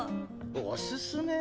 おすすめぇ？